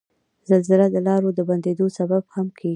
زلزله د لارو د بندیدو سبب هم کیږي.